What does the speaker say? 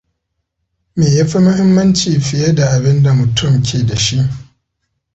Me ya fi muhimmanci fiye da abinda mutum ke da shi.